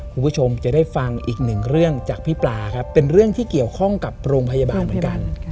คุณผู้ชมจะได้ฟังอีกหนึ่งเรื่องจากพี่ปลาครับเป็นเรื่องที่เกี่ยวข้องกับโรงพยาบาลเหมือนกัน